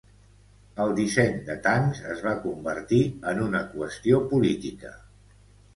El disseny de tancs es va convertir en una qüestió política.